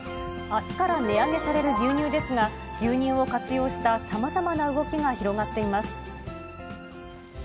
あすから値上げされる牛乳ですが、牛乳を活用したさまざまな動きが広がっています。